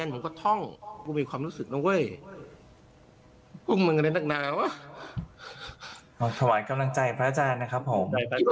หวังทะวันกำลังใจพระอาจารย์นะครับผม